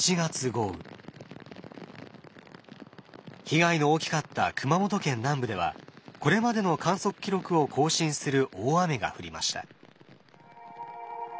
被害の大きかった熊本県南部ではこれまでの観測記録を更新する大雨が降りました。